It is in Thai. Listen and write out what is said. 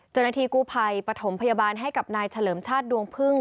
เจ้าหน้าที่กู้ภัยปฐมพยาบาลให้กับนายเฉลิมชาติดวงพึ่ง